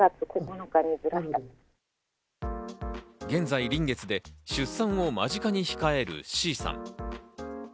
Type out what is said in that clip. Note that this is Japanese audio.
現在、臨月で出産を間近に控えるＣさん。